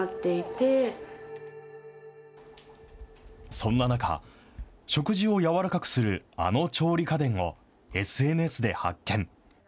そんな中、食事を軟らかくするあの調理家電をＳＮＳで発見。